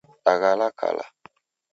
Daghala kala